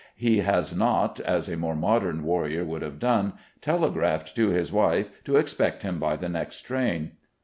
He has not (as a more modern warrior would have done) telegraphed to his wife to expect him by the next train.